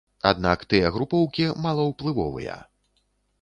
Аднак тыя групоўкі малаўплывовыя.